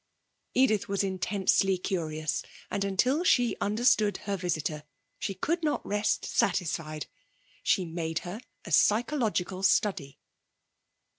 Edith was intensely curious and until she understood her visitor she could not rest satisfied. She made her a psychological study.